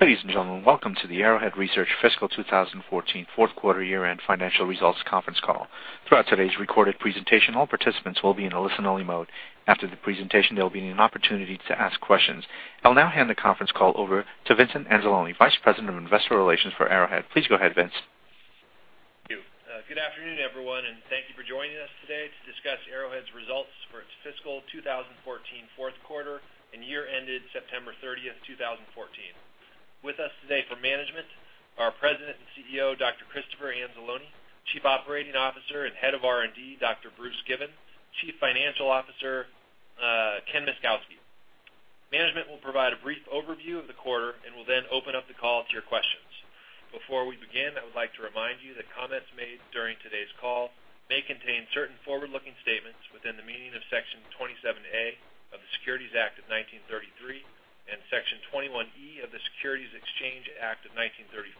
Ladies and gentlemen, welcome to the Arrowhead Research Fiscal 2014 Fourth Quarter Year-End Financial Results Conference Call. Throughout today's recorded presentation, all participants will be in a listen-only mode. After the presentation, there will be an opportunity to ask questions. I'll now hand the conference call over to Vincent Anzalone, Vice President of Investor Relations for Arrowhead. Please go ahead, Vince. Thank you. Good afternoon, everyone, and thank you for joining us today to discuss Arrowhead's results for its fiscal 2014 fourth quarter and year ended September 30th, 2014. With us today for management, our President and CEO, Dr. Christopher Anzalone, Chief Operating Officer and Head of R&D, Dr. Bruce Given, Chief Financial Officer, Ken Myszkowski. Management will provide a brief overview of the quarter and will then open up the call to your questions. Before we begin, I would like to remind you that comments made during today's call may contain certain forward-looking statements within the meaning of Section 27A of the Securities Act of 1933 and Section 21E of the Securities Exchange Act of 1934.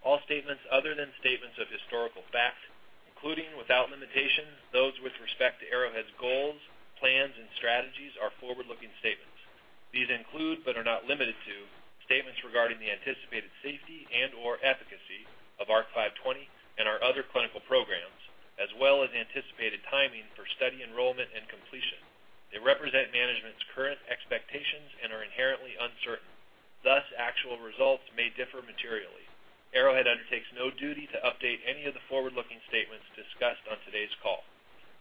All statements other than statements of historical fact, including, without limitation, those with respect to Arrowhead's goals, plans and strategies are forward-looking statements. These include, but are not limited to, statements regarding the anticipated safety and/or efficacy of ARC-520 and our other clinical programs, as well as anticipated timing for study enrollment and completion. They represent management's current expectations and are inherently uncertain. Thus, actual results may differ materially. Arrowhead undertakes no duty to update any of the forward-looking statements discussed on today's call.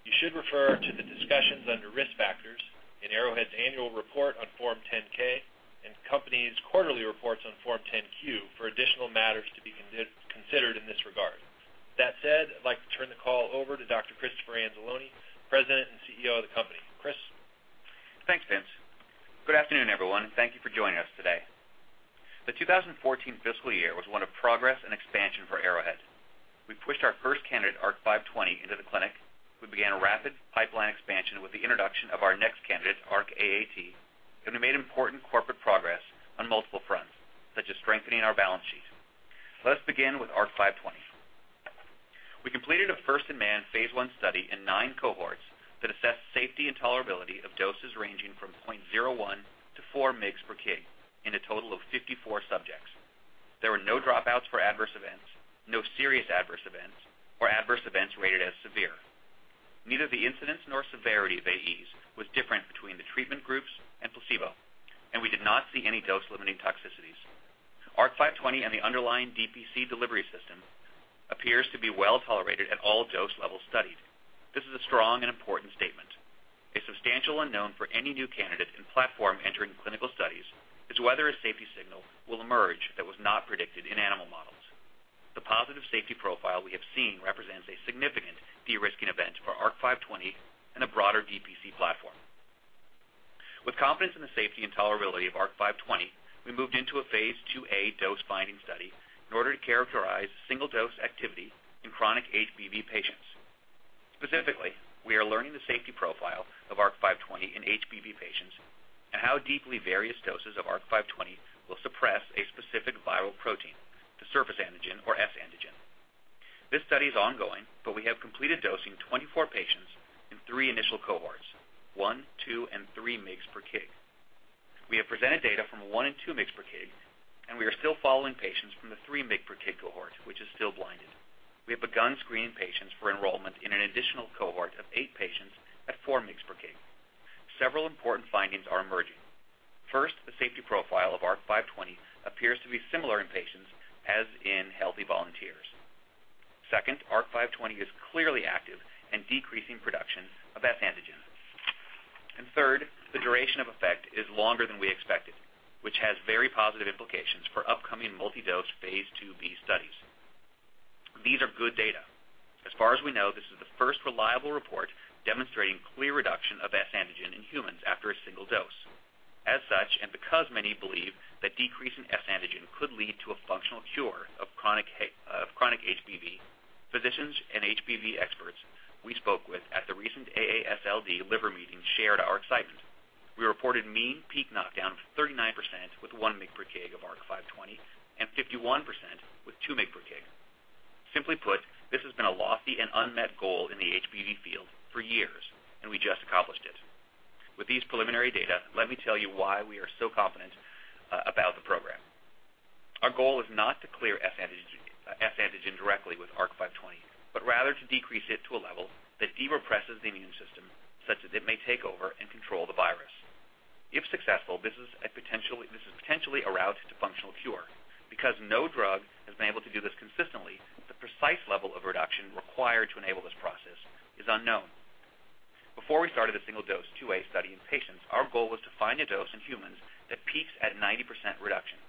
You should refer to the discussions under Risk Factors in Arrowhead's annual report on Form 10-K and the company's quarterly reports on Form 10-Q for additional matters to be considered in this regard. That said, I'd like to turn the call over to Dr. Christopher Anzalone, President and CEO of the company. Chris? Thanks, Vince. Good afternoon, everyone. Thank you for joining us today. The 2014 fiscal year was one of progress and expansion for Arrowhead. We pushed our first candidate, ARC-520, into the clinic. We began a rapid pipeline expansion with the introduction of our next candidate, ARC-AAT, and we made important corporate progress on multiple fronts, such as strengthening our balance sheet. Let us begin with ARC-520. We completed a first-in-man phase I study in nine cohorts that assessed safety and tolerability of doses ranging from 0.01 to four mg per kg in a total of 54 subjects. There were no dropouts for adverse events, no serious adverse events, or adverse events rated as severe. Neither the incidence nor severity of AEs was different between the treatment groups and placebo, and we did not see any dose-limiting toxicities. ARC-520 and the underlying DPC delivery system appears to be well-tolerated at all dose levels studied. This is a strong and important statement. A substantial unknown for any new candidate and platform entering clinical studies is whether a safety signal will emerge that was not predicted in animal models. The positive safety profile we have seen represents a significant de-risking event for ARC-520 and the broader DPC platform. With confidence in the safety and tolerability of ARC-520, we moved into a phase IIa dose-finding study in order to characterize single-dose activity in chronic HBV patients. Specifically, we are learning the safety profile of ARC-520 in HBV patients and how deeply various doses of ARC-520 will suppress a specific viral protein, the surface antigen, or S-antigen. This study is ongoing, we have completed dosing 24 patients in three initial cohorts, one, two, and three mg/kg. We have presented data from the one and two mg/kg, and we are still following patients from the three mg/kg cohort, which is still blinded. We have begun screening patients for enrollment in an additional cohort of eight patients at four mg/kg. Several important findings are emerging. First, the safety profile of ARC-520 appears to be similar in patients as in healthy volunteers. Second, ARC-520 is clearly active in decreasing production of S-antigen. Third, the duration of effect is longer than we expected, which has very positive implications for upcoming multi-dose phase IIb studies. These are good data. As far as we know, this is the first reliable report demonstrating clear reduction of S-antigen in humans after a single dose. As such, because many believe that decrease in S-antigen could lead to a functional cure of chronic HBV, physicians and HBV experts we spoke with at the recent AASLD liver meeting shared our excitement. We reported mean peak knockdown of 39% with one mg/kg of ARC-520 and 51% with two mg/kg. Simply put, this has been a lofty and unmet goal in the HBV field for years, and we just accomplished it. With these preliminary data, let me tell you why we are so confident about the program. Our goal is not to clear S-antigen directly with ARC-520, but rather to decrease it to a level that de-represses the immune system such that it may take over and control the virus. If successful, this is potentially a route to functional cure. Because no drug has been able to do this consistently, the precise level of reduction required to enable this process is unknown. Before we started the single dose phase IIa study in patients, our goal was to find a dose in humans that peaks at 90% reduction.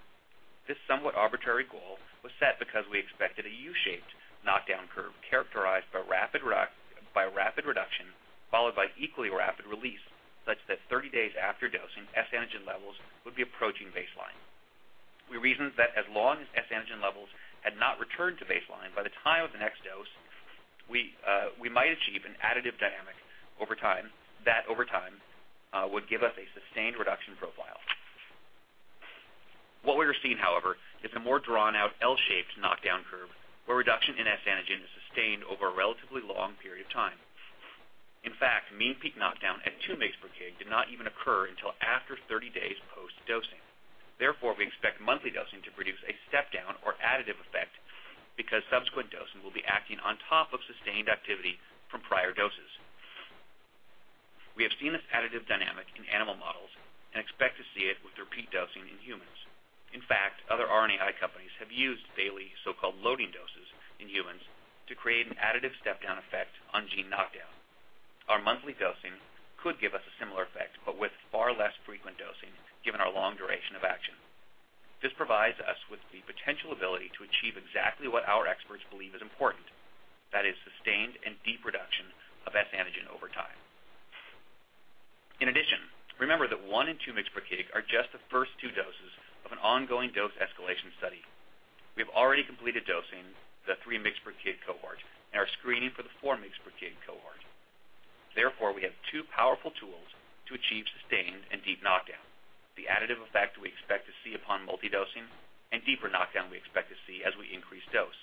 This somewhat arbitrary goal was set because we expected a U-shaped knockdown curve characterized by rapid reduction followed by equally rapid release such that 30 days after dosing, S-antigen levels would be approaching baseline. We reasoned that as long as S-antigen levels had not returned to baseline by the time of the next dose, we might achieve an additive dynamic that over time would give us a sustained reduction profile. What we are seeing, however, is a more drawn-out L-shaped knockdown curve where reduction in S-antigen is sustained over a relatively long period of time. In fact, mean peak knockdown at 2 mgs per kg did not even occur until after 30 days post-dosing. Therefore, we expect monthly dosing to produce a step-down or additive effect because subsequent dosing will be acting on top of sustained activity from prior doses. We have seen this additive dynamic in animal models and expect to see it with repeat dosing in humans. In fact, other RNAi companies have used daily so-called loading doses in humans to create an additive step-down effect on gene knockdown. Our monthly dosing could give us a similar effect, but with far less frequent dosing, given our long duration of action. This provides us with the potential ability to achieve exactly what our experts believe is important. That is sustained and deep reduction of S-antigen over time. In addition, remember that 1 and 2 mgs per kg are just the first two doses of an ongoing dose escalation study. We have already completed dosing the 3 mgs per kg cohort and are screening for the 4 mgs per kg cohort. Therefore, we have two powerful tools to achieve sustained and deep knockdown. The additive effect we expect to see upon multi-dosing and deeper knockdown we expect to see as we increase dose.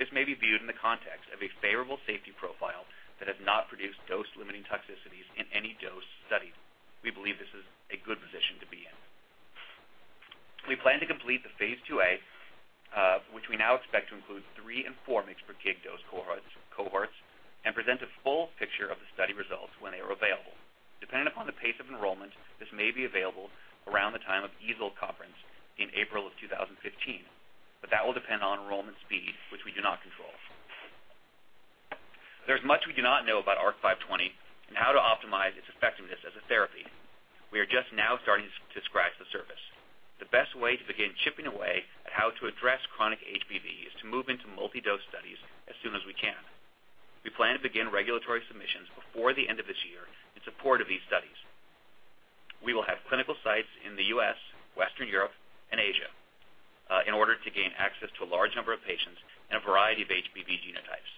This may be viewed in the context of a favorable safety profile that has not produced dose-limiting toxicities in any dose studied. We believe this is a good position to be in. We plan to complete the Phase IIa, which we now expect to include 3 and 4 mgs per kg dose cohorts, and present a full picture of the study results when they are available. Depending upon the pace of enrollment, this may be available around the time of EASL conference in April of 2015, but that will depend on enrollment speed, which we do not control. There's much we do not know about ARC-520 and how to optimize its effectiveness as a therapy. We are just now starting to scratch the surface. The best way to begin chipping away at how to address chronic HBV is to move into multi-dose studies as soon as we can. We plan to begin regulatory submissions before the end of this year in support of these studies. We will have clinical sites in the U.S., Western Europe, and Asia in order to gain access to a large number of patients and a variety of HBV genotypes.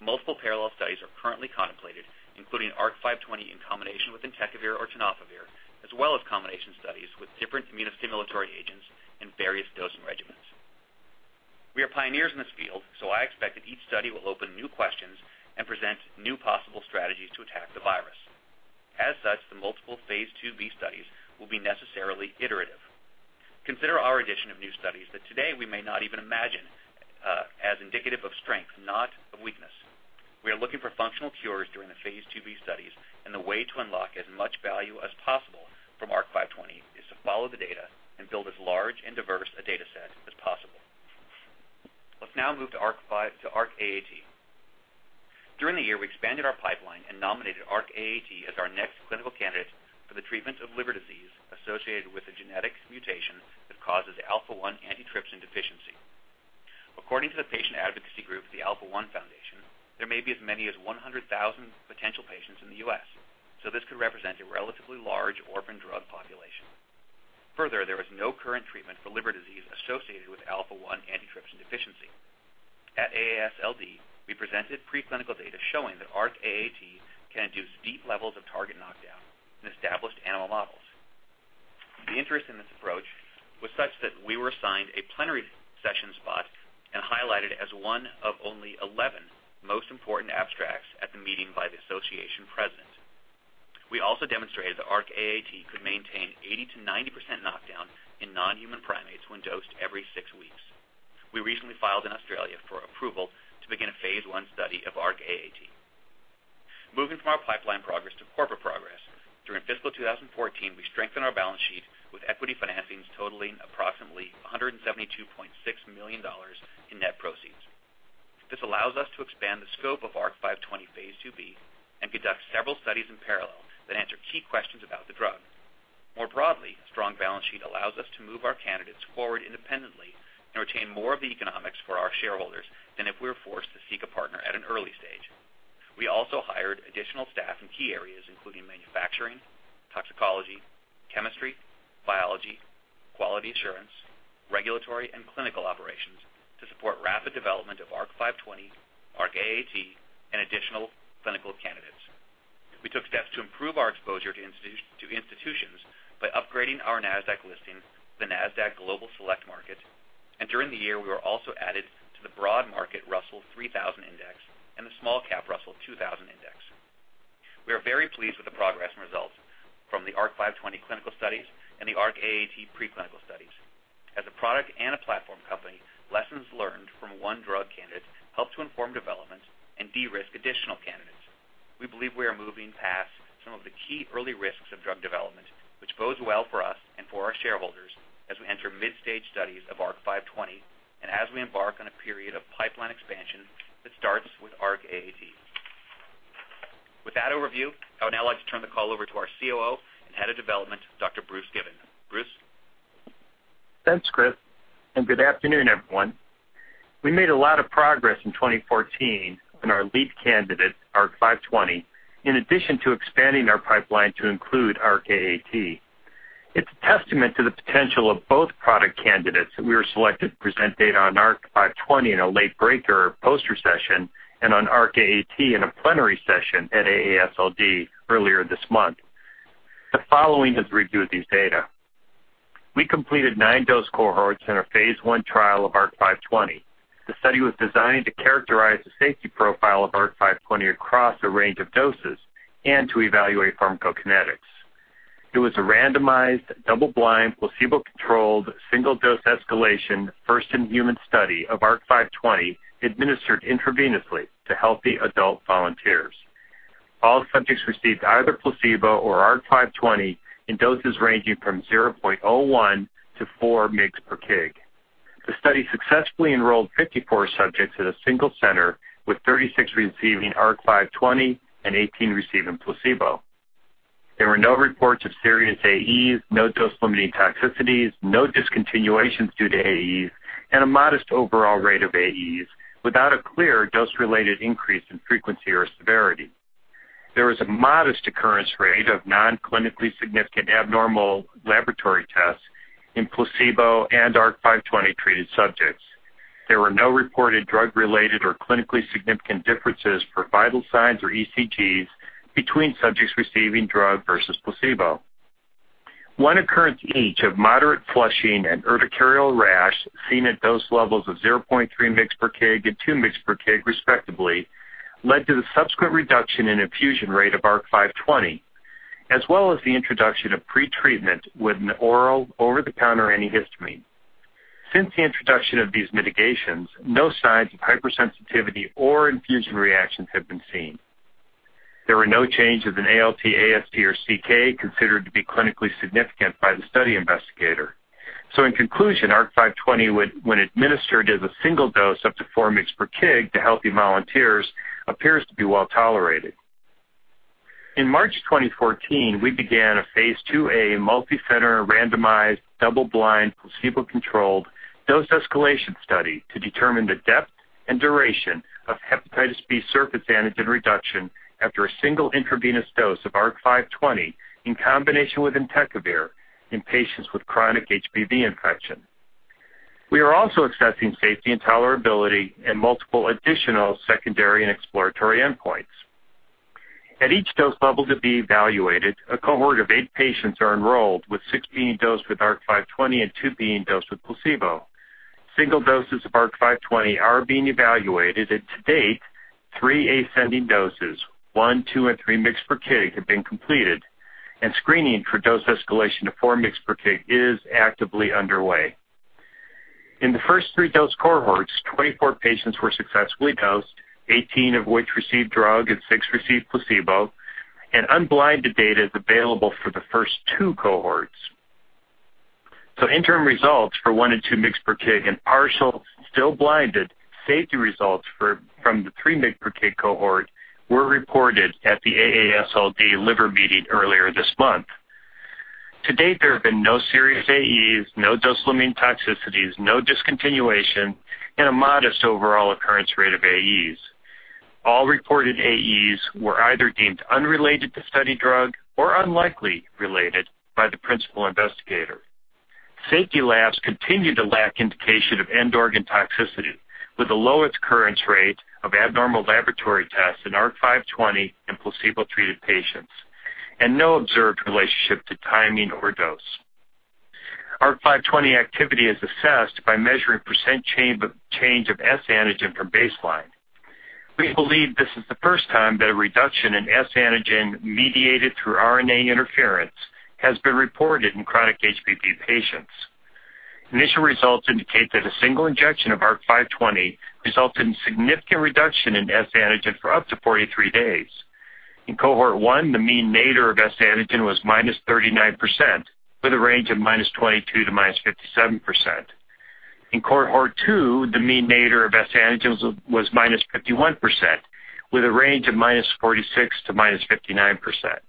Multiple parallel studies are currently contemplated, including ARC-520 in combination with entecavir or tenofovir, as well as combination studies with different immunostimulatory agents and various dosing regimens. We are pioneers in this field, so I expect that each study will open new questions and present new possible strategies to attack the virus. As such, the multiple Phase IIb studies will be necessarily iterative. Consider our addition of new studies that today we may not even imagine as indicative of strength, not of weakness. We are looking for functional cures during the phase IIb studies. The way to unlock as much value as possible from ARC-520 is to follow the data and build as large and diverse a data set as possible. Let's now move to ARC-AAT. During the year, we expanded our pipeline and nominated ARC-AAT as our next clinical candidate for the treatment of liver disease associated with a genetic mutation that causes alpha-1 antitrypsin deficiency. According to the patient advocacy group, the Alpha-1 Foundation, there may be as many as 100,000 potential patients in the U.S. This could represent a relatively large orphan drug population. Further, there is no current treatment for liver disease associated with alpha-1 antitrypsin deficiency. At AASLD, we presented pre-clinical data showing that ARC-AAT can induce deep levels of target knockdown in established animal models. The interest in this approach was such that we were assigned a plenary session spot and highlighted as one of only 11 most important abstracts at the meeting by the association president. We also demonstrated that ARC-AAT could maintain 80%-90% knockdown in non-human primates when dosed every six weeks. We recently filed in Australia for approval to begin a phase I study of ARC-AAT. Moving from our pipeline progress to corporate progress. During fiscal 2014, we strengthened our balance sheet with equity financings totaling approximately $172.6 million in net proceeds. This allows us to expand the scope of ARC-520 phase IIb and conduct several studies in parallel that answer key questions about the drug. More broadly, a strong balance sheet allows us to move our candidates forward independently and retain more of the economics for our shareholders than if we were forced to seek a partner at an early stage. We also hired additional staff in key areas including manufacturing, toxicology, chemistry, biology, quality assurance, regulatory, and clinical operations to support rapid development of ARC-520, ARC-AAT, and additional clinical candidates. We took steps to improve our exposure to institutions by upgrading our NASDAQ listing to the NASDAQ Global Select Market. During the year, we were also added to the broad market Russell 3000 Index and the small cap Russell 2000 Index. We are very pleased with the progress and results from the ARC-520 clinical studies and the ARC-AAT pre-clinical studies. As a product and a platform company, lessons learned from one drug candidate help to inform development and de-risk additional candidates. We believe we are moving past some of the key early risks of drug development, which bodes well for us and for our shareholders as we enter mid-stage studies of ARC-520 and as we embark on a period of pipeline expansion that starts with ARC-AAT. With that overview, I would now like to turn the call over to our COO and Head of Development, Dr. Bruce Given. Bruce? Thanks, Chris, and good afternoon, everyone. We made a lot of progress in 2014 on our lead candidate, ARC-520, in addition to expanding our pipeline to include ARC-AAT. It's a testament to the potential of both product candidates that we were selected to present data on ARC-520 in a late-breaker poster session and on ARC-AAT in a plenary session at AASLD earlier this month. The following is a review of these data. We completed nine dose cohorts in our phase I trial of ARC-520. The study was designed to characterize the safety profile of ARC-520 across a range of doses and to evaluate pharmacokinetics. It was a randomized, double-blind, placebo-controlled, single-dose escalation, first-in-human study of ARC-520 administered intravenously to healthy adult volunteers. All subjects received either placebo or ARC-520 in doses ranging from 0.01 to four mg per kg. The study successfully enrolled 54 subjects at a single center, with 36 receiving ARC-520 and 18 receiving placebo. There were no reports of serious AEs, no dose-limiting toxicities, no discontinuations due to AEs, and a modest overall rate of AEs without a clear dose-related increase in frequency or severity. There was a modest occurrence rate of non-clinically significant abnormal laboratory tests in placebo and ARC-520-treated subjects. There were no reported drug-related or clinically significant differences for vital signs or ECGs between subjects receiving drug versus placebo. One occurrence each of moderate flushing and urticarial rash, seen at dose levels of 0.3 mg per kg and two mg per kg respectively, led to the subsequent reduction in infusion rate of ARC-520, as well as the introduction of pretreatment with an oral over-the-counter antihistamine. Since the introduction of these mitigations, no signs of hypersensitivity or infusion reactions have been seen. There were no changes in ALT, AST, or CK considered to be clinically significant by the study investigator. In conclusion, ARC-520, when administered as a single dose up to four mg per kg to healthy volunteers, appears to be well-tolerated. In March 2014, we began a phase IIa multi-center, randomized, double-blind, placebo-controlled dose escalation study to determine the depth and duration of hepatitis B surface antigen reduction after a single intravenous dose of ARC-520 in combination with entecavir in patients with chronic HBV infection. We are also assessing safety and tolerability in multiple additional secondary and exploratory endpoints. At each dose level to be evaluated, a cohort of eight patients are enrolled, with six being dosed with ARC-520 and two being dosed with placebo. Single doses of ARC-520 are being evaluated, to date, three ascending doses, one, two, and three mg per kg, have been completed, and screening for dose escalation to four mg per kg is actively underway. In the first three dose cohorts, 24 patients were successfully dosed, 18 of which received drug and six received placebo, and unblinded data is available for the first two cohorts. Interim results for one and two mg per kg and partial, still blinded, safety results from the three mg per kg cohort were reported at the AASLD Liver Meeting earlier this month. To date, there have been no serious AEs, no dose-limiting toxicities, no discontinuation, and a modest overall occurrence rate of AEs. All reported AEs were either deemed unrelated to study drug or unlikely related by the principal investigator. Safety labs continue to lack indication of end organ toxicity, with the lowest occurrence rate of abnormal laboratory tests in ARC-520 and placebo-treated patients and no observed relationship to timing or dose. ARC-520 activity is assessed by measuring % change of S-antigen from baseline. We believe this is the first time that a reduction in S-antigen mediated through RNA interference has been reported in chronic HBV patients. Initial results indicate that a single injection of ARC-520 resulted in significant reduction in S-antigen for up to 43 days. In cohort 1, the mean nadir of S-antigen was -39% with a range of -22% to -57%. In cohort 2, the mean nadir of S-antigen was -51%, with a range of -46% to -59%.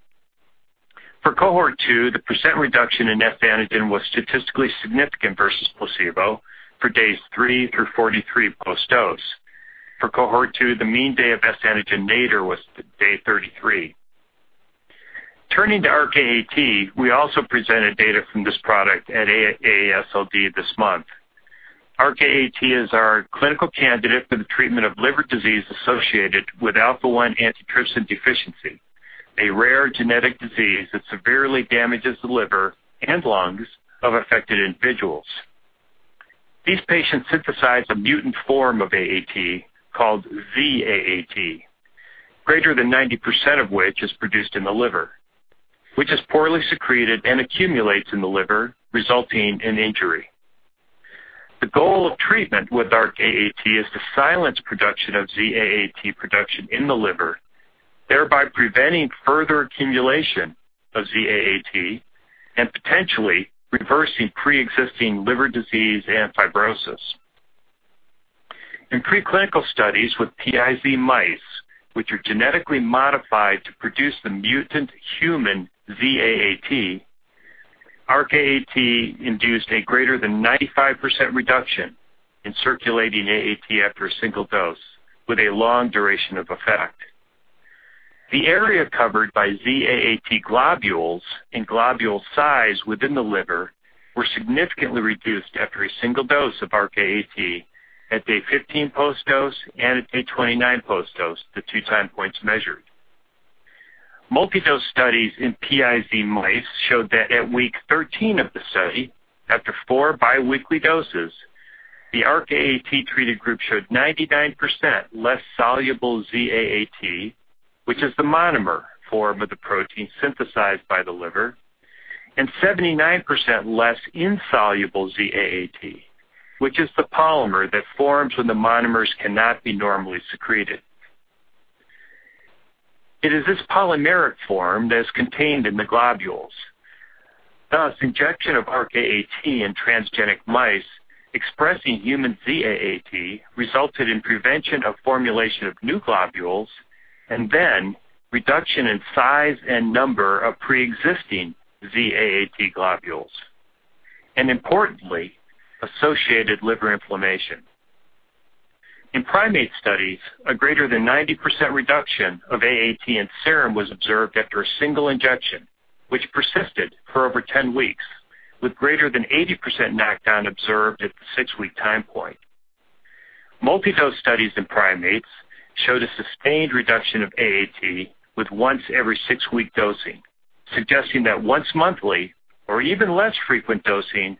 For cohort 2, the % reduction in S-antigen was statistically significant versus placebo for days three through 43 post-dose. For cohort 2, the mean day of S-antigen nadir was day 33. Turning to ARC-AAT, we also presented data from this product at AASLD this month. ARC-AAT is our clinical candidate for the treatment of liver disease associated with alpha-1 antitrypsin deficiency, a rare genetic disease that severely damages the liver and lungs of affected individuals. These patients synthesize a mutant form of AAT called Z-AAT, greater than 90% of which is produced in the liver, which is poorly secreted and accumulates in the liver, resulting in injury. The goal of treatment with ARC-AAT is to silence production of Z-AAT production in the liver, thereby preventing further accumulation of Z-AAT and potentially reversing preexisting liver disease and fibrosis. In preclinical studies with PiZ mice, which are genetically modified to produce the mutant human Z-AAT, ARC-AAT induced a greater than 95% reduction in circulating AAT after a single dose with a long duration of effect. The area covered by Z-AAT globules and globule size within the liver were significantly reduced after a single dose of ARC-AAT at day 15 post-dose and at day 29 post-dose, the two time points measured. Multi-dose studies in PiZ mice showed that at week 13 of the study, after four biweekly doses, the ARC-AAT-treated group showed 99% less soluble Z-AAT, which is the monomer form of the protein synthesized by the liver, and 79% less insoluble Z-AAT, which is the polymer that forms when the monomers cannot be normally secreted. It is this polymeric form that is contained in the globules. Thus, injection of ARC-AAT in transgenic mice expressing human Z-AAT resulted in prevention of formulation of new globules, and then reduction in size and number of preexisting Z-AAT globules, and importantly, associated liver inflammation. In primate studies, a greater than 90% reduction of AAT in serum was observed after a single injection, which persisted for over 10 weeks with greater than 80% knockdown observed at the six-week time point. Multi-dose studies in primates showed a sustained reduction of AAT with once every six-week dosing, suggesting that once-monthly or even less frequent dosing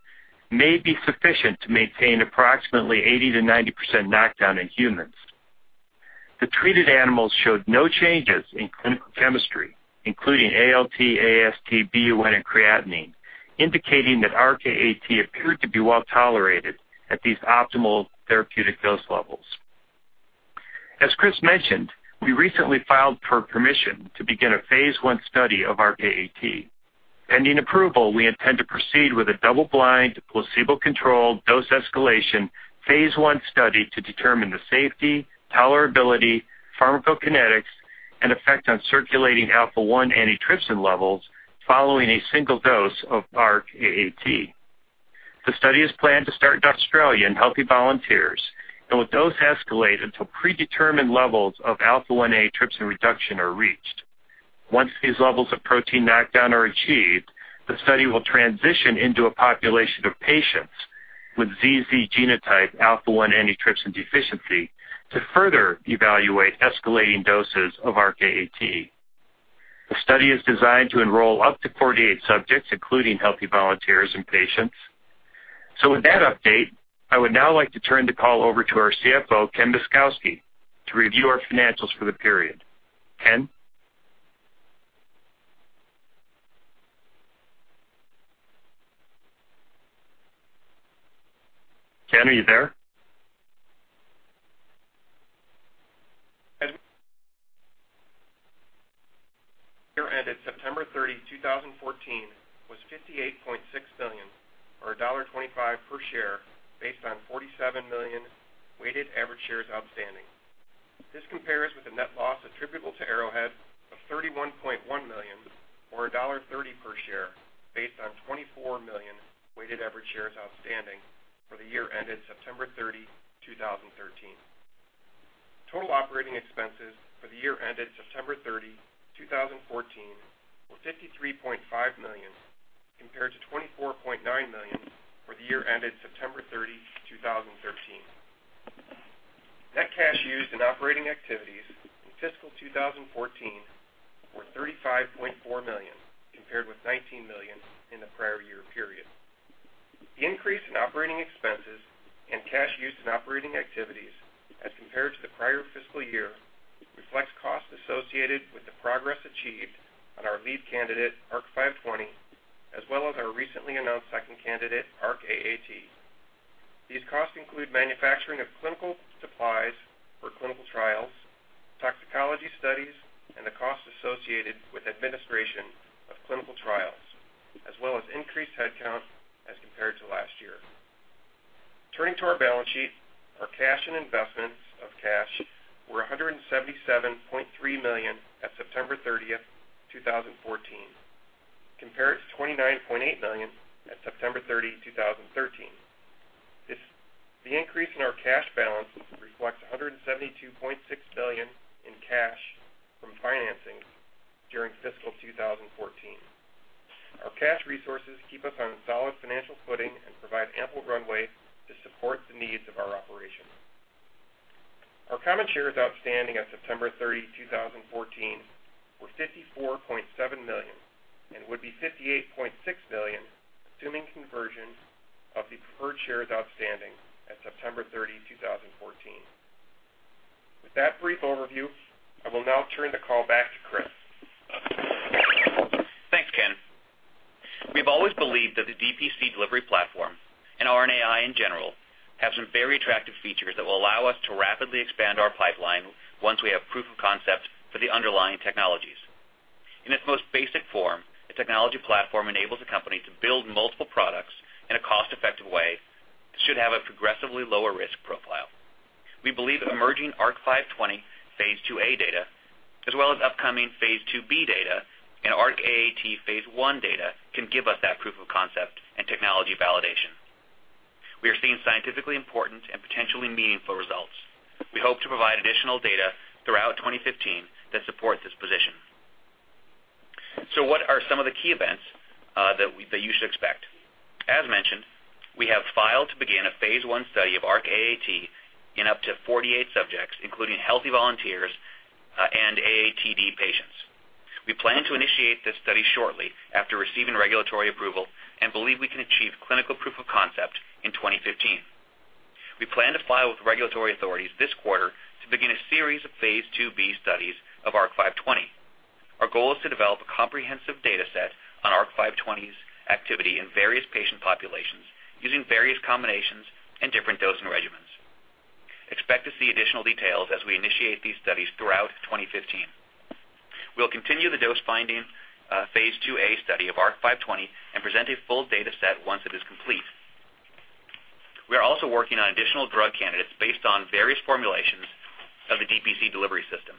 may be sufficient to maintain approximately 80%-90% knockdown in humans. The treated animals showed no changes in clinical chemistry, including ALT, AST, BUN, and creatinine, indicating that ARC-AAT appeared to be well-tolerated at these optimal therapeutic dose levels. As Chris mentioned, we recently filed for permission to begin a phase I study of ARC-AAT. Pending approval, we intend to proceed with a double-blind, placebo-controlled dose escalation phase I study to determine the safety, tolerability, pharmacokinetics, and effect on circulating alpha-1 antitrypsin levels following a single dose of ARC-AAT. The study is planned to start in Australia in healthy volunteers and will dose escalate until predetermined levels of alpha-1 antitrypsin reduction are reached. Once these levels of protein knockdown are achieved, the study will transition into a population of patients with ZZ genotype alpha-1 antitrypsin deficiency to further evaluate escalating doses of ARC-AAT. The study is designed to enroll up to 48 subjects, including healthy volunteers and patients. With that update, I would now like to turn the call over to our CFO, Ken Myszkowski, to review our financials for the period. Ken? Ken, are you there? As year ended September 30, 2014, was $58.6 million or $1.25 per share, based on 47 million weighted average shares outstanding. This compares with the net loss attributable to Arrowhead of $31.1 million or $1.30 per share based on 24 million weighted average shares outstanding for the year ended September 30, 2013. Total operating expenses for the year ended September 30, 2014, were $53.5 million, compared to $24.9 million for the year ended September 30, 2013. Net cash used in operating activities in fiscal 2014 were $35.4 million, compared with $19 million in the prior year period. The increase in operating expenses and cash used in operating activities as compared to the prior fiscal year reflects costs associated with the progress achieved on our lead candidate, ARC-520, as well as our recently announced second candidate, ARC-AAT. These costs include manufacturing of clinical supplies for clinical trials, toxicology studies, and the costs associated with administration of clinical trials, as well as increased headcount as compared to last year. Turning to our balance sheet, our cash and investments of cash were $177.3 million at September 30, 2014, compared to $29.8 million at September 30, 2013. The increase in our cash balance reflects $172.6 million in cash from financing during fiscal 2014. Our cash resources keep us on solid financial footing and provide ample runway to support the needs of our operations. Our common shares outstanding at September 30, 2014, were $54.7 million and would be $58.6 million assuming conversion of the preferred shares outstanding at September 30, 2014. With that brief overview, I will now turn the call back to Chris. Thanks, Ken. We have always believed that the DPC delivery platform and RNAi in general have some very attractive features that will allow us to rapidly expand our pipeline once we have proof of concept for the underlying technologies. In its most basic form, a technology platform enables a company to build multiple products in a cost-effective way that should have a progressively lower risk profile. We believe emerging ARC-520 phase IIa data as well as upcoming phase IIb data and ARC-AAT phase I data can give us that proof of concept and technology validation. We are seeing scientifically important and potentially meaningful results. We hope to provide additional data throughout 2015 that support this position. What are some of the key events that you should expect? As mentioned, we have filed to begin a phase I study of ARC-AAT in up to 48 subjects, including healthy volunteers and AATD patients. We plan to initiate this study shortly after receiving regulatory approval and believe we can achieve clinical proof of concept in 2015. We plan to file with regulatory authorities this quarter to begin a series of phase IIb studies of ARC-520. Our goal is to develop a comprehensive data set on ARC-520's activity in various patient populations using various combinations and different dosing regimens. Expect to see additional details as we initiate these studies throughout 2015. We will continue the dose-finding phase IIa study of ARC-520 and present a full data set once it is complete. We are also working on additional drug candidates based on various formulations of the DPC delivery system.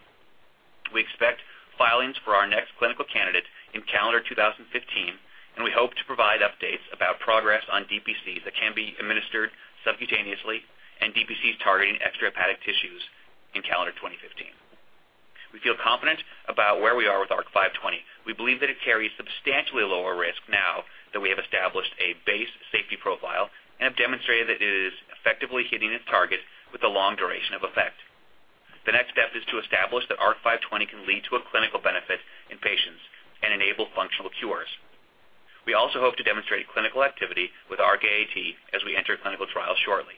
We expect filings for our next clinical candidate in calendar 2015. We hope to provide updates about progress on DPCs that can be administered subcutaneously and DPCs targeting extrahepatic tissues in calendar 2015. We feel confident about where we are with ARC-520. We believe that it carries substantially lower risk now that we have established a base safety profile and have demonstrated that it is effectively hitting its target with a long duration of effect. The next step is to establish that ARC-520 can lead to a clinical benefit in patients and enable functional cures. We also hope to demonstrate clinical activity with ARC-AAT as we enter clinical trial shortly.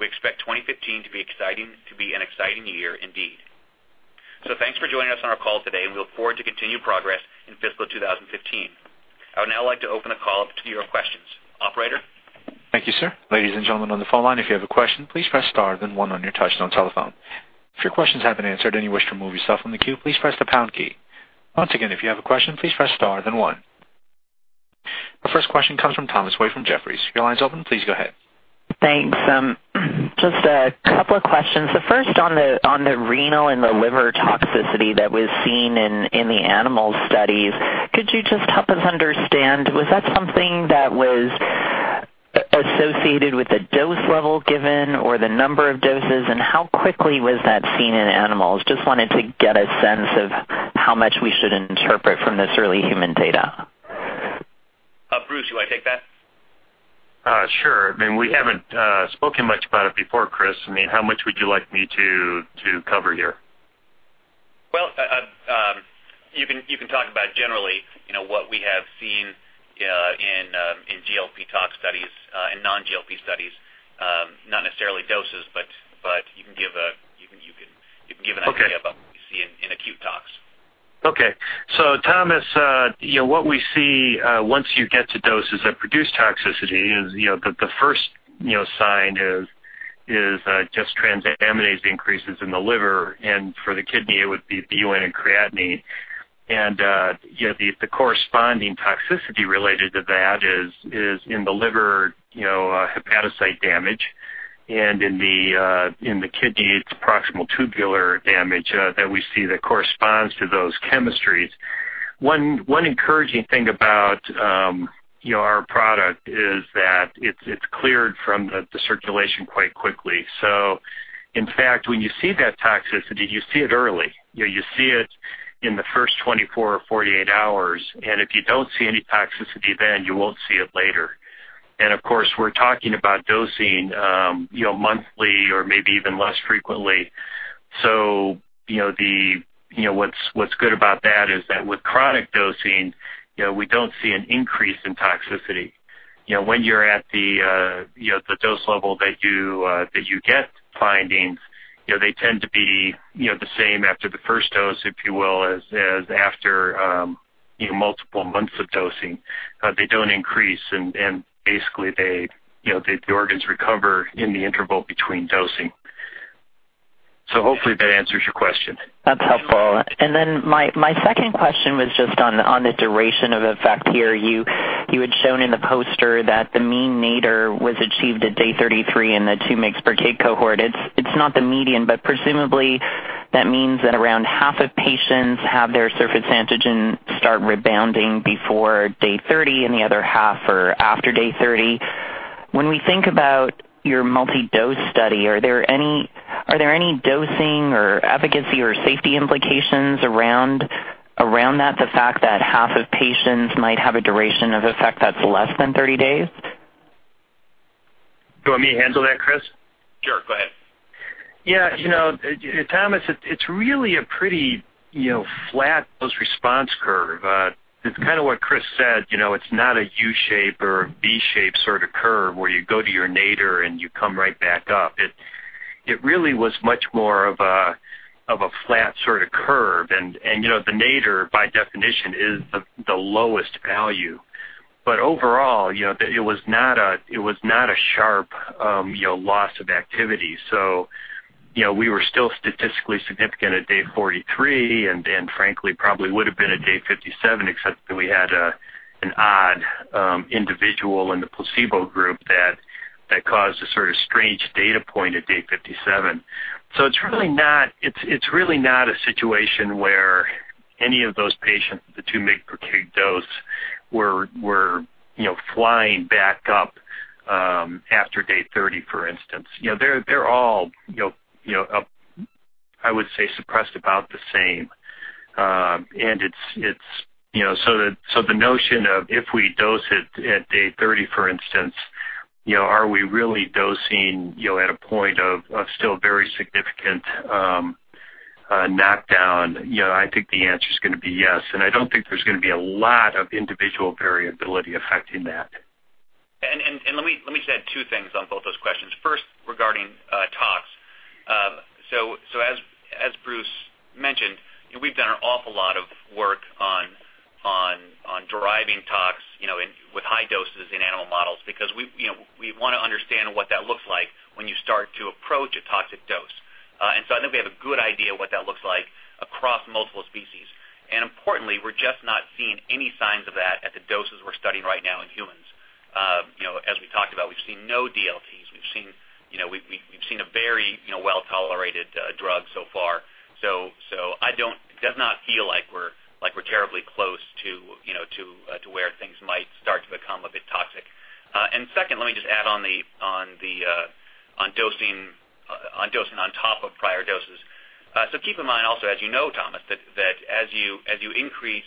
We expect 2015 to be an exciting year indeed. Thanks for joining us on our call today, and we look forward to continued progress in fiscal 2015. I would now like to open the call up to your questions. Operator? Thank you, sir. Ladies and gentlemen on the phone line, if you have a question, please press star then one on your touch-tone telephone. If your questions have been answered and you wish to remove yourself from the queue, please press the pound key. Once again, if you have a question, please press star then one. Our first question comes from Thomas Wei from Jefferies. Your line is open. Please go ahead. Thanks. Just a couple of questions. The first on the renal and the liver toxicity that was seen in the animal studies. Could you just help us understand, was that something that was associated with the dose level given or the number of doses, and how quickly was that seen in animals? Just wanted to get a sense of how much we should interpret from this early human data. Bruce, you want to take that? Sure. I mean, we haven't spoken much about it before, Chris. I mean, how much would you like me to cover here? Well, you can talk about generally what we have seen in GLP tox studies and non-GLP studies. Not necessarily doses, but you can give an idea- Okay about what we see in acute tox. Okay. Thomas, what we see once you get to doses that produce toxicity is the first sign is just transaminase increases in the liver, and for the kidney, it would be BUN and creatinine. Yet, the corresponding toxicity related to that is in the liver, hepatocyte damage, and in the kidney, it's proximal tubular damage that we see that corresponds to those chemistries. One encouraging thing about our product is that it's cleared from the circulation quite quickly. In fact, when you see that toxicity, you see it early. You see it in the first 24 or 48 hours, and if you don't see any toxicity then, you won't see it later. Of course, we're talking about dosing monthly or maybe even less frequently. What's good about that is that with chronic dosing, we don't see an increase in toxicity. When you're at the dose level that you get findings, they tend to be the same after the first dose, if you will, as after multiple months of dosing. They don't increase, and basically, the organs recover in the interval between dosing. Hopefully that answers your question. That's helpful. Then my second question was just on the duration of effect here. You had shown in the poster that the mean nadir was achieved at day 33 in the 2 mg/kg cohort. It's not the median, but presumably, that means that around half of patients have their surface antigen start rebounding before day 30 and the other half are after day 30. When we think about your multi-dose study, are there any dosing or efficacy or safety implications around that, the fact that half of patients might have a duration of effect that's less than 30 days? Do you want me to handle that, Christopher? Sure, go ahead. Thomas, it's really a pretty flat dose response curve. It's kind of what Christopher said. It's not a U-shape or V-shape sort of curve where you go to your nadir and you come right back up. It really was much more of a flat sort of curve. The nadir, by definition, is the lowest value. Overall, it was not a sharp loss of activity. We were still statistically significant at day 43, and frankly, probably would've been at day 57, except that we had an odd individual in the placebo group that caused a sort of strange data point at day 57. It's really not a situation where any of those patients with the two mg/kg dose Were flying back up after day 30, for instance. They're all, I would say, suppressed about the same. The notion of if we dose it at day 30, for instance, are we really dosing at a point of still very significant knockdown? I think the answer's going to be yes. I don't think there's going to be a lot of individual variability affecting that. Let me just add two things on both those questions. First, regarding tox. As Bruce mentioned, we've done an awful lot of work on deriving tox with high doses in animal models because we want to understand what that looks like when you start to approach a toxic dose. I think we have a good idea what that looks like across multiple species. Importantly, we're just not seeing any signs of that at the doses we're studying right now in humans. As we talked about, we've seen no DLTs. We've seen a very well-tolerated drug so far. It does not feel like we're terribly close to where things might start to become a bit toxic. Second, let me just add on dosing on top of prior doses. Keep in mind also, as you know, Thomas, that as we increase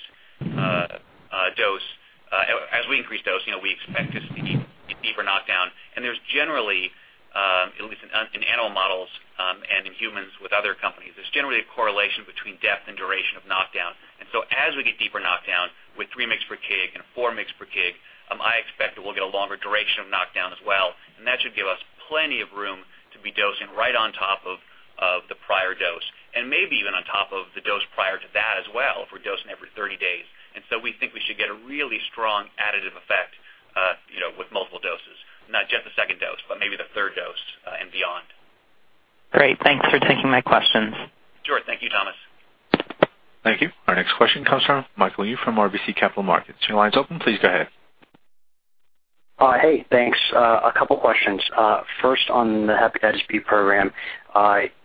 dosing, we expect to see deeper knockdown, and there's generally, at least in animal models and in humans with other companies, there's generally a correlation between depth and duration of knockdown. As we get deeper knockdown with 3 mgs per kg and 4 mgs per kg, I expect that we'll get a longer duration of knockdown as well, and that should give us plenty of room to be dosing right on top of the prior dose, and maybe even on top of the dose prior to that as well, if we're dosing every 30 days. We think we should get a really strong additive effect with multiple doses. Not just the second dose, but maybe the third dose and beyond. Great. Thanks for taking my questions. Sure. Thank you, Thomas. Thank you. Our next question comes from Michael Yee from RBC Capital Markets. Your line's open. Please go ahead. Hey, thanks. A couple questions. First, on the HBsAg program,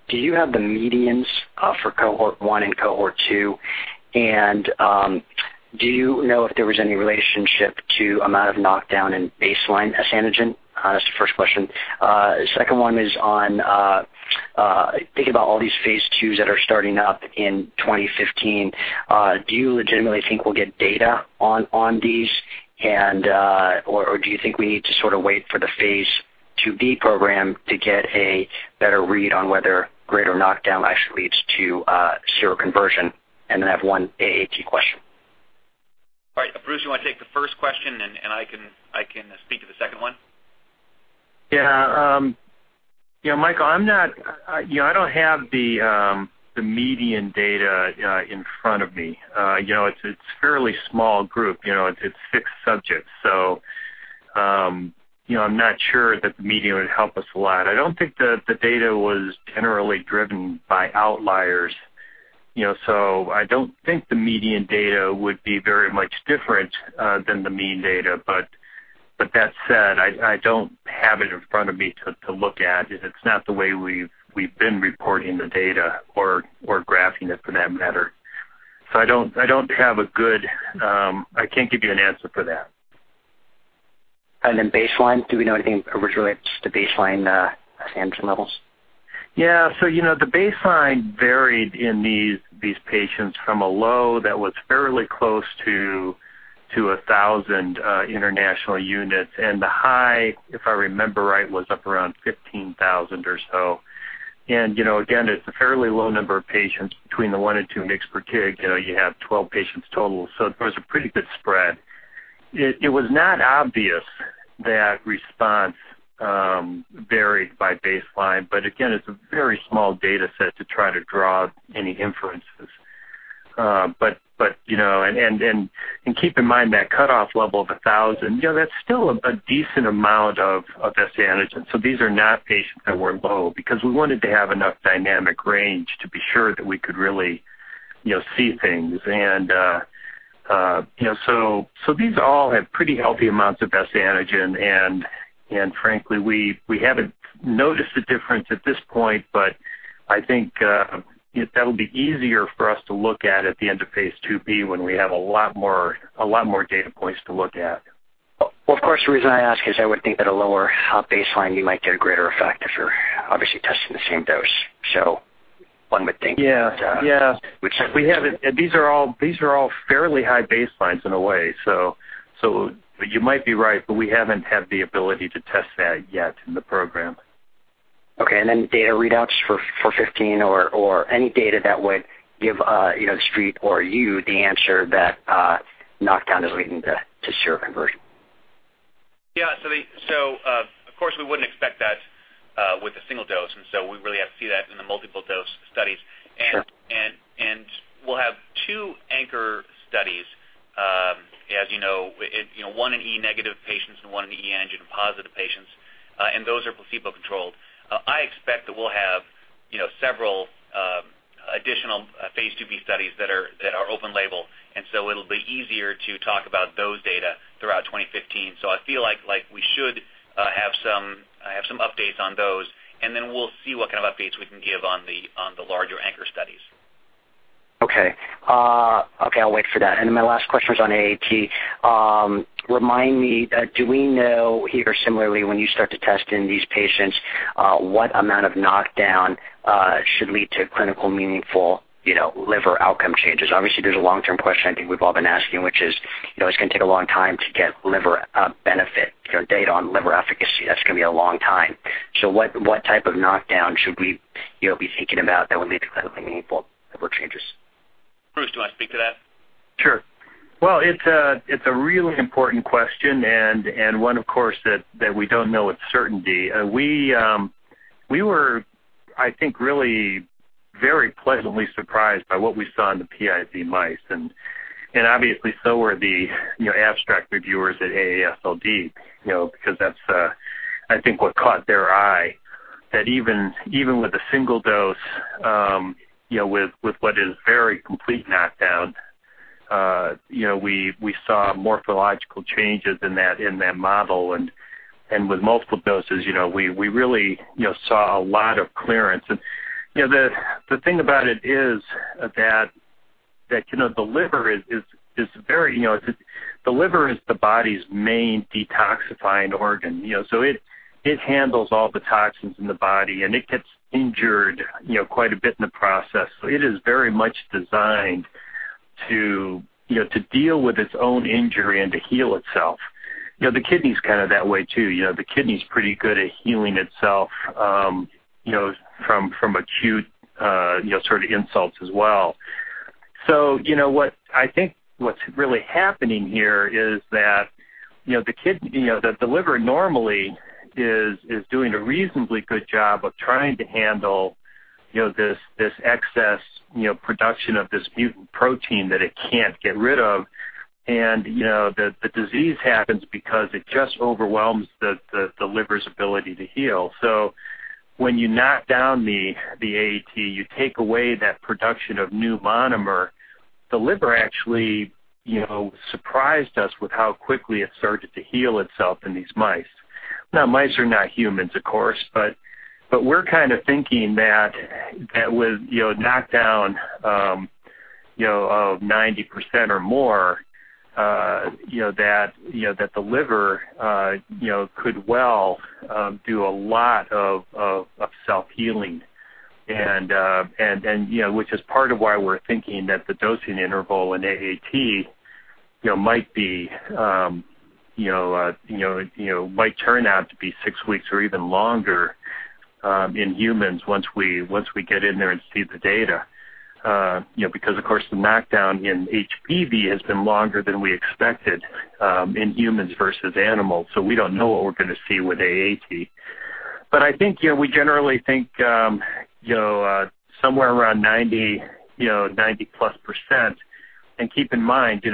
do you have the medians for cohort 1 and cohort 2? Do you know if there was any relationship to amount of knockdown in baseline S-antigen? That's the first question. Second one is on thinking about all these phase IIs that are starting up in 2015, do you legitimately think we'll get data on these? Do you think we need to sort of wait for the phase IIB program to get a better read on whether greater knockdown actually leads to seroconversion? I have one AAT question. All right. Bruce, you want to take the first question? I can speak to the second one? Yeah. Michael, I don't have the median data in front of me. It's a fairly small group. It's six subjects. I'm not sure that the median would help us a lot. I don't think that the data was generally driven by outliers. I don't think the median data would be very much different than the mean data. That said, I don't have it in front of me to look at it. It's not the way we've been reporting the data or graphing it for that matter. I can't give you an answer for that. Baseline, do we know anything with regards to baseline S-antigen levels? Yeah. The baseline varied in these patients from a low that was fairly close to 1,000 international units. The high, if I remember right, was up around 15,000 or so. Again, it's a fairly low number of patients between the one and two mgs per kg. You have 12 patients total. There was a pretty good spread. It was not obvious that response varied by baseline, but again, it's a very small data set to try to draw any inferences. Keep in mind that cutoff level of 1,000. That's still a decent amount of S-antigen, so these are not patients that were low because we wanted to have enough dynamic range to be sure that we could really see things. These all have pretty healthy amounts of S-antigen, and frankly, we haven't noticed a difference at this point, but I think that'll be easier for us to look at at the end of phase IIb when we have a lot more data points to look at. Well, of course, the reason I ask is I would think that a lower baseline, you might get a greater effect if you're obviously testing the same dose. One would think that. Yeah. Which- We haven't. These are all fairly high baselines in a way. You might be right, but we haven't had the ability to test that yet in the program. Okay. Data readouts for 2015 or any data that would give the street or you the answer that knockdown is leading to seroconversion. Yeah. Of course, we wouldn't expect that with a single dose, and so we really have to see that in the multiple dose studies. Sure. We'll have two anchor studies, as you know. One in E-negative patients and one in E-antigen positive patients, and those are placebo controlled. I expect that we'll have several additional phase IIb studies that are open label, and so it'll be easier to talk about those data throughout 2015. I feel like we should have some updates on those, and then we'll see what kind of updates we can give on the larger anchor studies. Okay. I'll wait for that. My last question is on AAT. Remind me, do we know here similarly when you start to test in these patients, what amount of knockdown should lead to clinical meaningful liver outcome changes? Obviously, there's a long-term question I think we've all been asking, which is, it's going to take a long time to get liver benefit, data on liver efficacy. That's going to be a long time. What type of knockdown should we be thinking about that would lead to clinically meaningful liver changes? Bruce, do you want to speak to that? Sure. Well, it's a really important question and one, of course, that we don't know with certainty. We were, I think, really very pleasantly surprised by what we saw in the PiZ mice, and obviously so were the abstract reviewers at AASLD. That's, I think, what caught their eye, that even with a single dose with what is a very complete knockdown, we saw morphological changes in that model and with multiple doses, we really saw a lot of clearance. The thing about it is that the liver is the body's main detoxifying organ. It handles all the toxins in the body, and it gets injured quite a bit in the process. It is very much designed to deal with its own injury and to heal itself. The kidney's kind of that way, too. The kidney's pretty good at healing itself from acute sort of insults as well. I think what's really happening here is that the liver normally is doing a reasonably good job of trying to handle this excess production of this mutant protein that it can't get rid of. The disease happens because it just overwhelms the liver's ability to heal. When you knock down the AAT, you take away that production of new monomer. The liver actually surprised us with how quickly it started to heal itself in these mice. Mice are not humans, of course, we're kind of thinking that with knockdown of 90% or more, that the liver could well do a lot of self-healing and which is part of why we're thinking that the dosing interval in AAT might turn out to be six weeks or even longer in humans once we get in there and see the data. Of course, the knockdown in HBV has been longer than we expected in humans versus animals, we don't know what we're going to see with AAT. We generally think somewhere around 90-plus %. Keep in mind,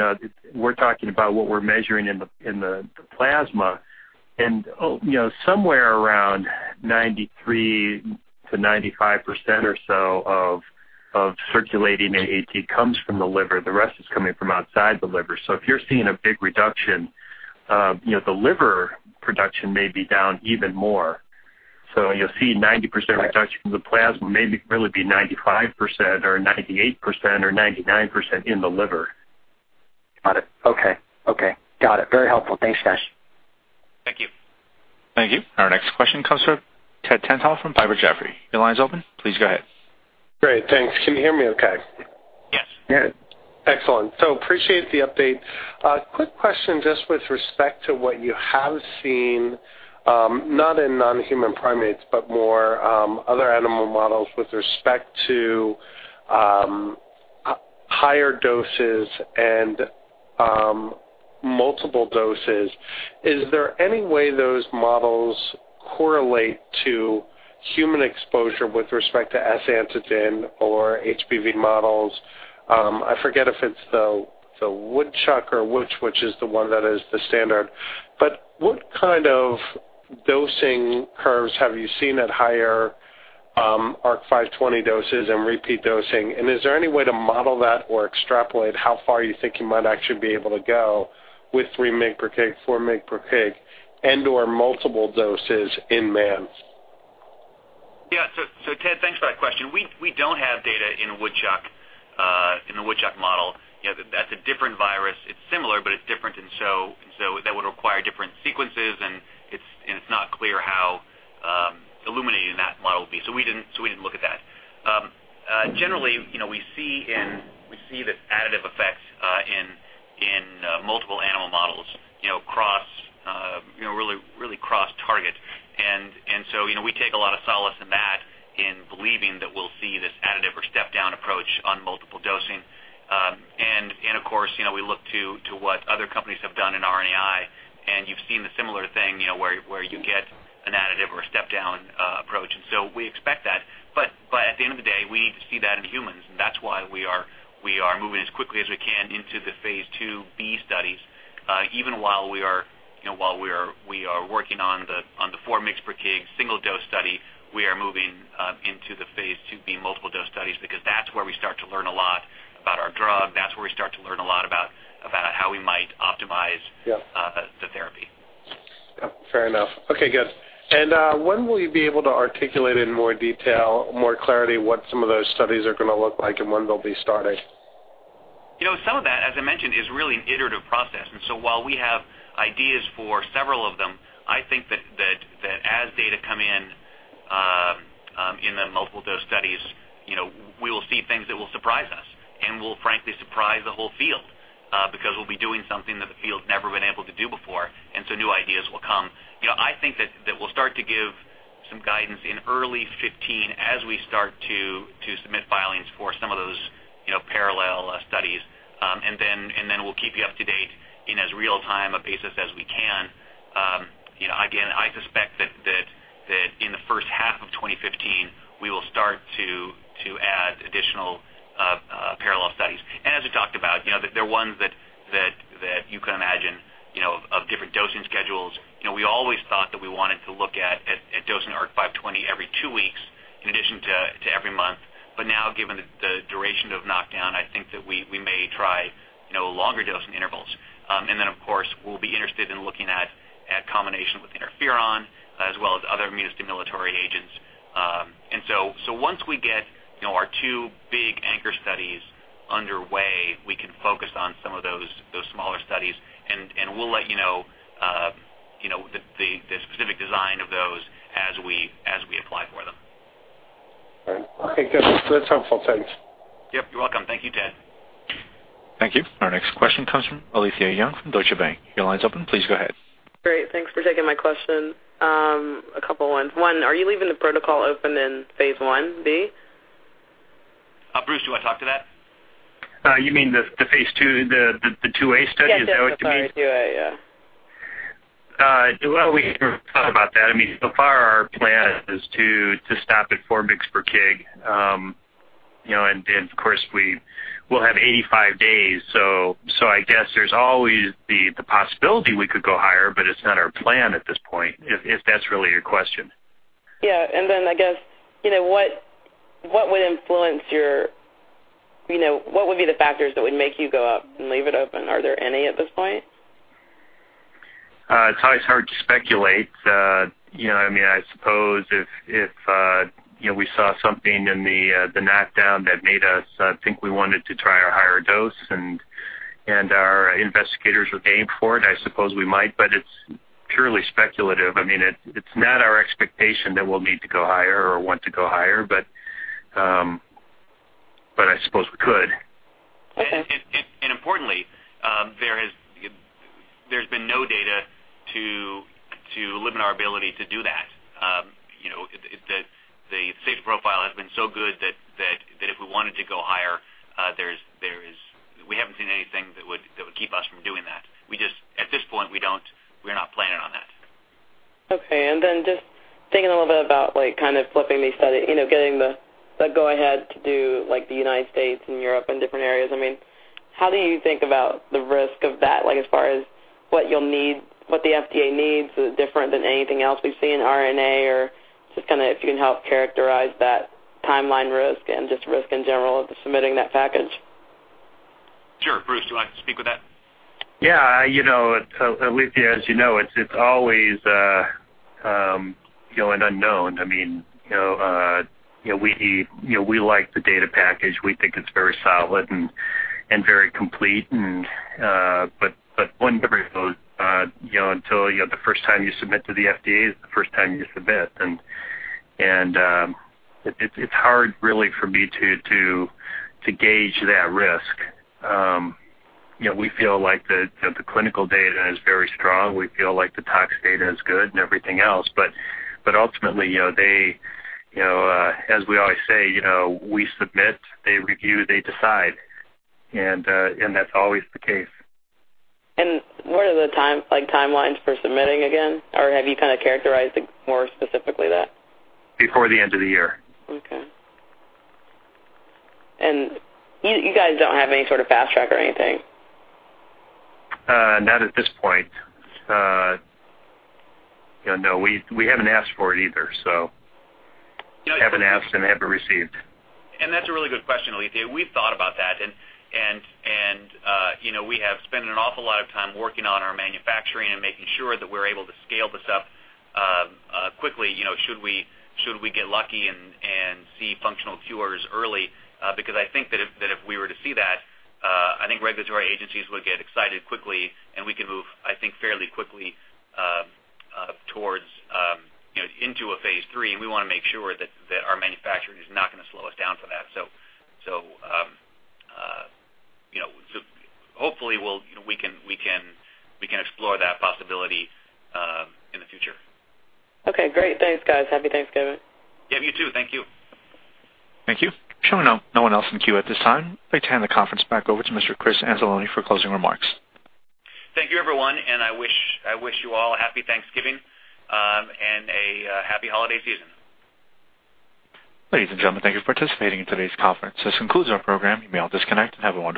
we're talking about what we're measuring in the plasma and somewhere around 93%-95% or so of circulating AAT comes from the liver. The rest is coming from outside the liver. If you're seeing a big reduction, the liver production may be down even more. You'll see 90% reduction from the plasma may really be 95%, 98% or 99% in the liver. Got it. Okay. Got it. Very helpful. Thanks, guys. Thank you. Thank you. Our next question comes from Ted Tenthoff from Piper Jaffray. Your line is open. Please go ahead. Great, thanks. Can you hear me okay? Yes. Yeah. Excellent. Appreciate the update. Quick question just with respect to what you have seen, not in non-human primates, but more other animal models with respect to higher doses and multiple doses. Is there any way those models correlate to human exposure with respect to S-antigen or HBV models? I forget if it's the woodchuck or which is the one that is the standard, but what kind of dosing curves have you seen at higher ARC-520 doses and repeat dosing? Is there any way to model that or extrapolate how far you think you might actually be able to go with three mg per kg, four mg per kg, and/or multiple doses in man? Yeah. Ted, thanks for that question. We don't have data in the woodchuck model. That's a different virus. It's similar, but it's different, and so that would require different sequences, and it's not clear how illuminating that model would be. We didn't look at that. Generally, we see this additive effect in multiple animal models, really cross-target. We take a lot of solace in that in believing that we'll see this additive or step-down approach on multiple dosing. Of course, we look to what other companies have done in RNAi, and you've seen the similar thing, where you get an additive or a step-down approach. We expect that. At the end of the day, we need to see that in humans, and that's why we are moving as quickly as we can into the phase IIb studies. Even while we are working on the 4 mgs per kg single dose study, we are moving into the phase IIb multiple dose studies because that's where we start to learn a lot. Yeah The therapy. Fair enough. Okay, good. When will you be able to articulate in more detail, more clarity, what some of those studies are going to look like and when they'll be starting? Some of that, as I mentioned, is really an iterative process, so while we have ideas for several of them, I think that as data come in the multiple dose studies, we will see things that will surprise us and will frankly surprise the whole field, because we'll be doing something that the field's never been able to do before, so new ideas will come. I think that we'll start to give some guidance in early 2015 as we start to submit filings for some of those parallel studies. Then we'll keep you up to date in as real-time a basis as we can. Again, I suspect that in the first half of 2015, we will start to add additional parallel studies. As we talked about, they're ones that you can imagine of different dosing schedules. We always thought that we wanted to look at dosing ARC-520 every two weeks in addition to every month. Now, given the duration of knockdown, I think that we may try longer dosing intervals. Then of course, we'll be interested in looking at combination with interferon as well as other immune stimulatory agents. So once we get our two big anchor studies underway, we can focus on some of those smaller studies, and we'll let you know the specific design of those as we apply for them. All right. Okay, good. That's helpful. Thanks. Yep, you're welcome. Thank you, Dan. Thank you. Our next question comes from Alethia Young from Deutsche Bank. Your line's open. Please go ahead. Great. Thanks for taking my question. A couple ones. One, are you leaving the protocol open in phase I-B? Bruce, do you want to talk to that? You mean the phase II, the II-A study? Is that what you mean? Yeah, sorry. II-A. We can talk about that. So far, our plan is to stop at 4 mg per kg. Of course, we'll have 85 days, I guess there's always the possibility we could go higher, it's not our plan at this point, if that's really your question. I guess, what would be the factors that would make you go up and leave it open? Are there any at this point? It's always hard to speculate. I suppose if we saw something in the knockdown that made us think we wanted to try a higher dose, our investigators were game for it, I suppose we might, it's purely speculative. It's not our expectation that we'll need to go higher or want to go higher, I suppose we could. Importantly, there's been no data to limit our ability to do that. The safety profile has been so good that if we wanted to go higher, we haven't seen anything that would keep us from doing that. At this point, we're not planning on that. Just thinking a little bit about kind of flipping these studies, getting the go ahead to do the U.S. and Europe and different areas. How do you think about the risk of that, as far as what the FDA needs is different than anything else we've seen in RNA? Just if you can help characterize that timeline risk and just risk in general of submitting that package. Sure. Bruce, would you like to speak with that? Yeah. Alethia, as you know, it's always an unknown. We like the data package. We think it's very solid and very complete. Until the first time you submit to the FDA is the first time you submit, and it's hard really for me to gauge that risk. We feel like the clinical data is very strong. We feel like the tox data is good and everything else, ultimately, as we always say, we submit, they review, they decide, and that's always the case. What are the timelines for submitting again? Have you kind of characterized it more specifically that? Before the end of the year. Okay. You guys don't have any sort of fast track or anything? Not at this point. No. We haven't asked for it either, haven't asked and haven't received. That's a really good question, Alethia. We've thought about that, we have spent an awful lot of time working on our manufacturing and making sure that we're able to scale this up quickly should we get lucky and see functional cures early. I think that if we were to see that, I think regulatory agencies would get excited quickly, we could move, I think, fairly quickly into a phase III. We want to make sure that our manufacturing is not going to slow us down for that. Hopefully we can explore that possibility in the future. Okay, great. Thanks, guys. Happy Thanksgiving. Yeah, you too. Thank you. Thank you. Showing no one else in queue at this time. I turn the conference back over to Mr. Chris Anzalone for closing remarks. Thank you everyone, I wish you all a happy Thanksgiving and a happy holiday season. Ladies and gentlemen, thank you for participating in today's conference. This concludes our program. You may all disconnect and have a wonderful day.